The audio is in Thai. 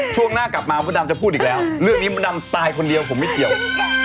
ช่วงหน้ากลับมามดดำจะพูดอีกแล้วเรื่องนี้มดดำตายคนเดียวผมไม่เกี่ยว